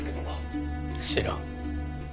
知らん。